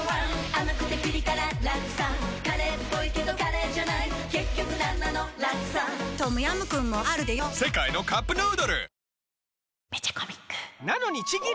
甘くてピリ辛ラクサカレーっぽいけどカレーじゃない結局なんなのラクサトムヤムクンもあるでヨ世界のカップヌードル